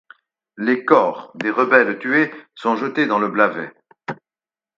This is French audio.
Les corps des rebelles tués sont jetés dans le Blavet.